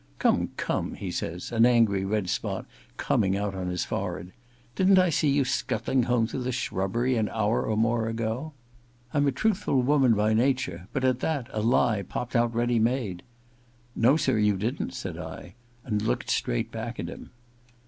*Come, come,' he says, an angry red spot coming out on his forehead, * didn't I see you scuttling home through the shrubbery an hour or more ago ?' I'm a truthful woman by nature, but at that a lie popped out ready made. * No, sir, you didn't,' said I, and looked straight back at him.